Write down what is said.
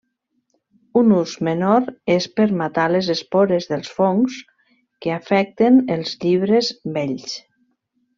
Un ús menor és per matar les espores dels fongs que afecten els llibres vells.